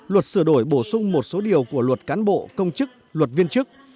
luật sửa đổi bổ sung một số điều của luật cán bộ công chức luật viên chức